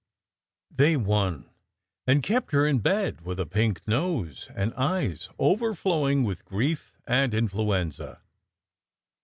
They won, and kept her in bed with a pink nose and eyes overflowing with grief and influenza.